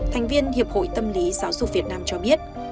thành viên hiệp hội tâm lý giáo dục việt nam cho biết